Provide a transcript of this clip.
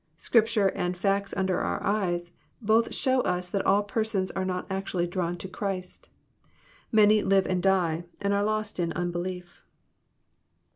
Scripture and facts under our eyes both show us that all persons are not actually drawn to Christ. Many live and die and are lost in unbelief.